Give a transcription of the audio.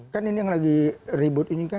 kan ini yang lagi ribut ini kan